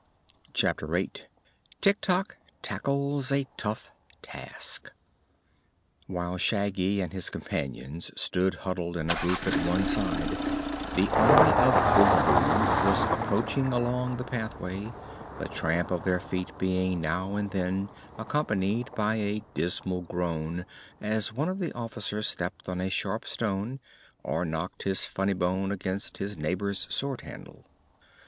Chapter Eight Tik Tok Tackles a Tough Task While Shaggy and his companions stood huddled in a group at one side, the Army of Oogaboo was approaching along the pathway, the tramp of their feet being now and then accompanied by a dismal groan as one of the officers stepped on a sharp stone or knocked his funnybone against his neighbor's sword handle.